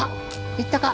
いったか？